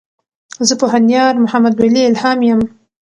زۀ پوهنيار محمدولي الهام يم.